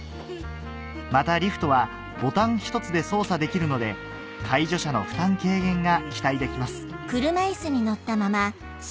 またリフトはボタン１つで操作できるので介助者の負担軽減が期待できます